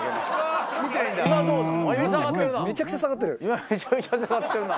今めちゃめちゃ下がってるな。